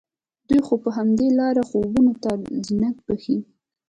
دوی خو په همدې لاره خوبونو ته زينت بښي